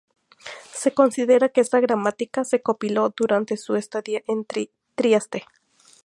Se considera que esta gramática se compiló durante su estadía en Trieste.